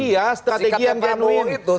jika tetap kamu itu